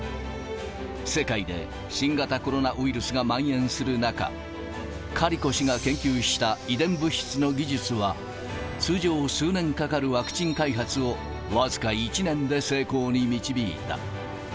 世界で新型コロナウイルスがまん延する中、カリコ氏が研究した遺伝物質の技術は、通常、数年かかるワクチン開発を、僅か１年で成功に導いた。